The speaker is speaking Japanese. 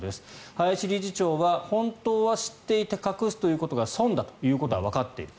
林理事長は本当は知っていて隠すということが損だということはわかっている。